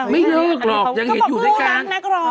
ไม่เลิกหรอกยังเห็นอยู่ด้วยกัน